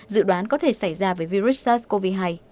dự đoán có thể xảy ra với virus sars cov hai